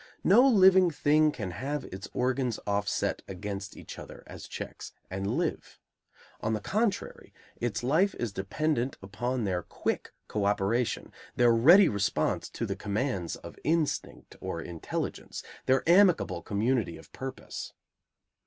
No living thing can have its organs offset against each other, as checks, and live. On the contrary, its life is dependent upon their quick co operation, their ready response to the commands of instinct or intelligence, their amicable community of purpose.